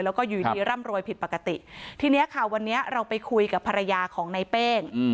แล้วก็อยู่ดีร่ำรวยผิดปกติทีนี้ค่ะวันนี้เราไปคุยกับภรรยาของในเป้ง